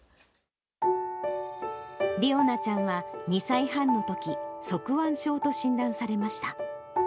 理央奈ちゃんは２歳半のとき、側弯症と診断されました。